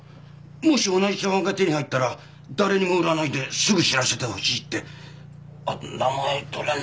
もし同じ茶わんが手に入ったら誰にも売らないですぐ知らせてほしいって名前と連絡先を。